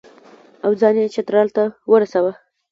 او ځان یې چترال ته ورساوه.